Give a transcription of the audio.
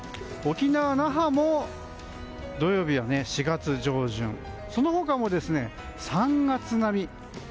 沖縄・那覇も土曜日は４月上旬その他も３月並み